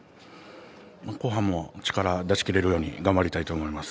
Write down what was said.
後半も力出し切れるように頑張りたいと思います。